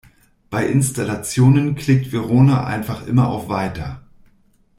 Bei Installationen klickt Verona einfach immer auf "Weiter".